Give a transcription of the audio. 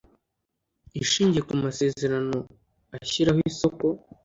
ishingiye ku masezerano ashyiraho isoko